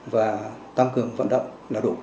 và tăng cường vận động là đủ